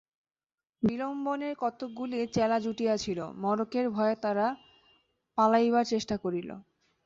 বিল্বনের কতকগুলি চেলা জুটিয়াছিল, মড়কের ভয়ে তাহারা পালাইবার চেষ্টা করিল।